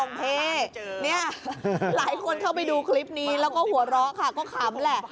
นี่หลายคนเข้าไปดูคลิปนี้แล้วก็หัวเราะค่ะก็ขำแหละ